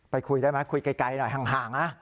คุยได้ไหมคุยไกลหน่อยห่างนะ